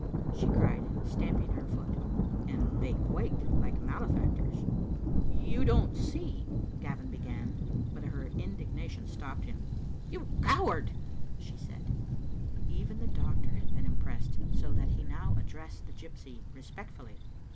she cried, stamping her foot; and they quaked like malefactors. "You don't see " Gavin began, but her indigna tion stopped him. Digitized by VjOOQ IC 118 tDe Xittle mniBtct. "You coward!" she said. Even the doctor had been impressed, so that he now addressed the gypsy respectfully.